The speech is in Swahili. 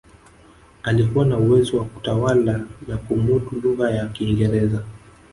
alikuwa na uwezo wa kutawala na kumudu lugha ya kiingereza